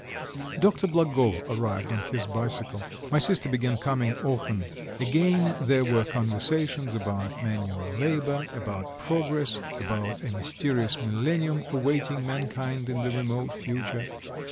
... XIII Dr. Blagovo arrived on his bicycle. My sister began coming often. Again there were conversations about manual labour, about progress, about a mysterious millennium awaiting mankind in the remote future.